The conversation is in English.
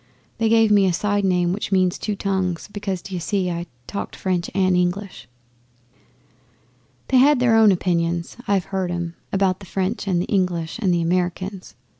They gave me a side name which means "Two Tongues," because, d'ye see, I talked French and English. 'They had their own opinions (I've heard 'em) about the French and the English, and the Americans.